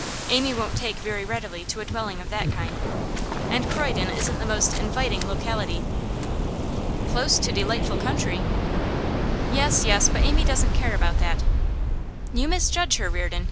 Amy won't take very readily to a dwelling of that kind. And Croydon isn't the most inviting locality.' 'Close to delightful country.' 'Yes, yes; but Amy doesn't care about that.' 'You misjudge her, Reardon.